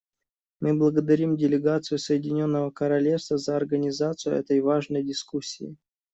Мы благодарим делегацию Соединенного Королевства за организацию этой важной дискуссии.